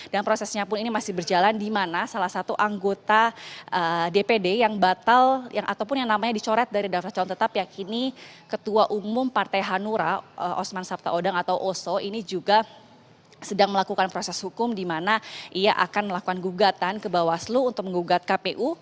dan prosesnya pun ini masih berjalan dimana salah satu anggota dpd yang batal ataupun yang namanya dicoret dari daftar calon tetap yakini ketua umum partai hanura osman sabtaodang atau oso ini juga sedang melakukan proses hukum dimana ia akan melakukan gugatan ke bawaslu untuk mengugat kpu